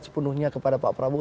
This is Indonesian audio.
sepenuhnya kepada pak prabowo